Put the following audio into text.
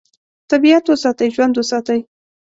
طبیعت وساتئ، ژوند وساتئ.